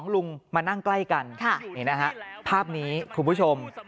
ลุงมานั่งใกล้กันนี่นะฮะภาพนี้คุณผู้ชม